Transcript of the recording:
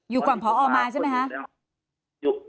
อยู่ก่อนพอมาใช่ไหมคะ